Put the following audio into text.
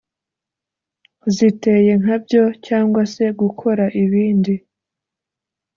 Ziteye nka byo cyangwa se gukora ibindi